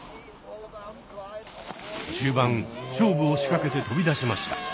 中盤勝負を仕掛けて飛び出しました。